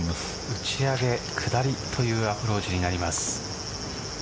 打ち上げ下りというアプローチになります。